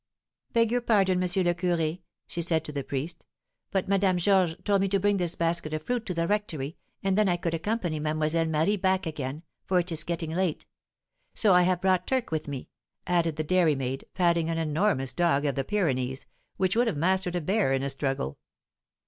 "Beg your pardon, M. le Curé," she said to the priest, "but Madame Georges told me to bring this basket of fruit to the rectory, and then I could accompany Mlle. Marie back again, for it is getting late. So I have brought Turk with me," added the dairy maid, patting an enormous dog of the Pyrenees, which would have mastered a bear in a struggle.